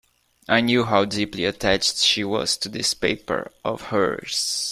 I knew how deeply attached she was to this paper of hers.